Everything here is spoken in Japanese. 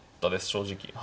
正直。